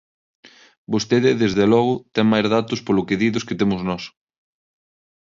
Vostede, desde logo, ten máis datos, polo que di, dos que temos nós.